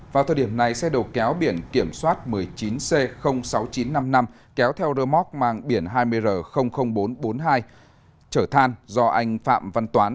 vào thời điểm này xe đầu kéo biển kiểm soát một mươi chín c sáu nghìn chín trăm năm mươi năm kéo theo rơ móc mang biển hai mươi r bốn trăm bốn mươi hai trở than do anh phạm văn toán